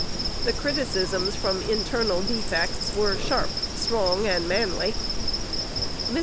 The criticisms from internal defects were sharp, strong, and manly. Mr.